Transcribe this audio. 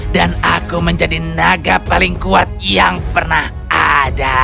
dan aku akan menjadi naga paling kuat yang pernah ada